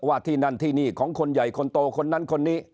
ว่าที่นั่นที่นี่ของคนใหญ่คนโตคนนั้นคนนี้